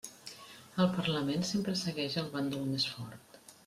El parlament sempre segueix el bàndol més fort.